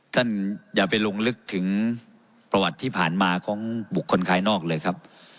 อย่าไปลงลึกถึงประวัติที่ผ่านมาของบุคคลภายนอกเลยครับ